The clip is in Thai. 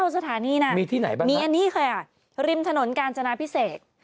๑๙สถานีนะมีอันนี้ค่ะริมถนนกาญจนาพิเศษ